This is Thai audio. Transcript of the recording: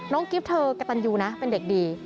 กิ๊บเธอกระตันยูนะเป็นเด็กดี